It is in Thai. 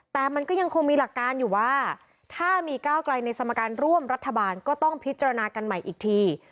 แต่มันก็ยังคงมีหลักการอยู่ว่าถ้ามีก้าวไกลในสมการร่วมรัฐบาลก็ต้องพิจารณากันใหม่อีกที